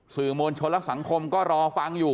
สื่อมวลชนและสังคมก็รอฟังอยู่